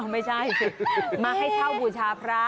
ไม่ใช่มาให้เช่าบูชาพระ